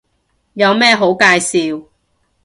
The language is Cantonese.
有咩好介紹